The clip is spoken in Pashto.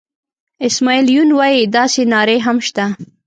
اسماعیل یون وایي داسې نارې هم شته.